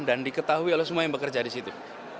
dan diketahui oleh semua yang bekerja disitu